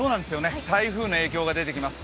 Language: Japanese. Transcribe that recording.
台風の影響が出てきます。